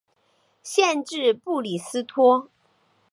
县治布里斯托。